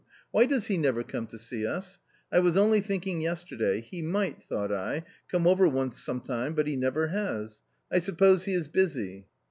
" Why does he never come to see us ? I was only think ing yesterday ; he might, thought I, come over once some time, but he never has — I suppose he is busy